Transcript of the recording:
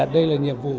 đây là nhiệm vụ